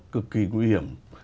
cực kỳ nguy hiểm